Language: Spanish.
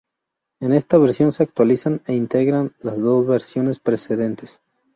En esta versión se actualizan e integran las dos versiones precedentes.